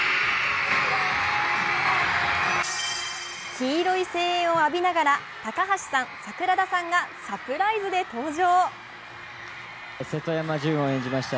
黄色い声援を浴びながら高橋さん、桜田さんがサプライズで登場。